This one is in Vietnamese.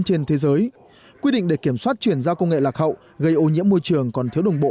trên thế giới quy định để kiểm soát chuyển giao công nghệ lạc hậu gây ô nhiễm môi trường còn thiếu đồng bộ